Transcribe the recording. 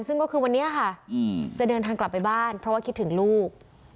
ซึ่งก็คือวันนี้ค่ะจะเดินทางกลับไปบ้านเพราะว่าคิดถึงลูก